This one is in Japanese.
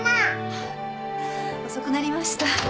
あっ遅くなりました。